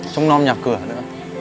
trông non nhạc cửa nữa